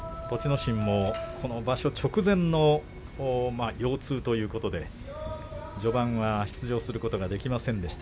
心も、この場所直前の腰痛ということで序盤は出場することができませんでした。